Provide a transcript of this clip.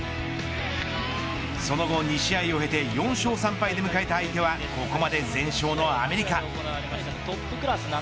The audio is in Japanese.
その後、２試合を経て４勝３敗で迎えた相手はここまで全勝のアメリカ。